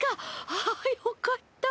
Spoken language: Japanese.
あよかった。